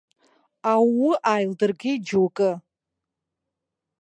Аууы ааилдыргеит џьоукы.